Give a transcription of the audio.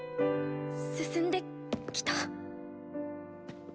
進んできた。